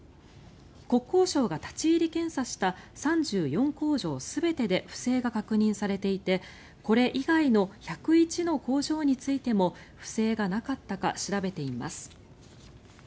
国交省が立ち入り検査した３４工場全てで不正が確認されていてこれ以外の１０１の工場についても不正がなかったか調べています。